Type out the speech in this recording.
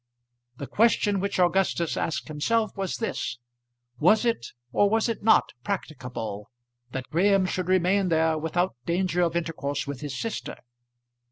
The question which Augustus asked himself was this Was it, or was it not practicable that Graham should remain there without danger of intercourse with his sister?